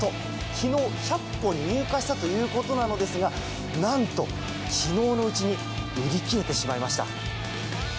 昨日、１００本入荷したということなんですが何と、昨日のうちに売り切れてしまいました。